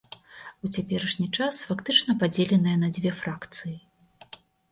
У цяперашні час фактычна падзеленая на дзве фракцыі.